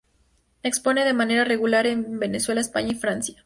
Expone de manera regular en Venezuela, España y Francia.